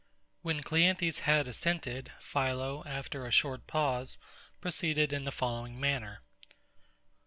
When CLEANTHES had assented, PHILO, after a short pause, proceeded in the following manner.